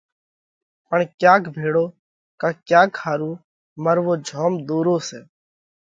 پڻ ڪياڪ ڀيۯو ڪا ڪياڪ ۿارُو مروو جوم ۮورو سئہ۔